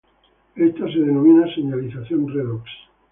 Esta es denominada señalización redox.